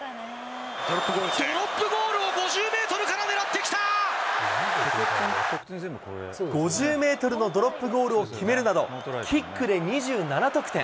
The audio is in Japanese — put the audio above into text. ドロップゴールを５０メート５０メートルのドロップゴールを決めるなど、キックで２７得点。